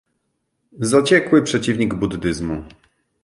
Zaciekły przeciwnik buddyzmu.